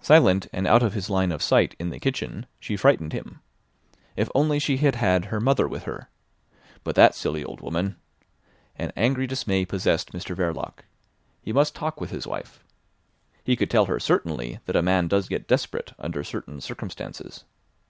Silent, and out of his line of sight in the kitchen, she frightened him. If only she had had her mother with her. But that silly old woman—An angry dismay possessed Mr Verloc. He must talk with his wife. He could tell her certainly that a man does get desperate under certain circumstances.